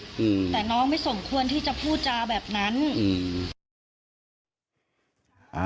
แต่น้องไม่สมควรที่จะพูดจาแบบนั้น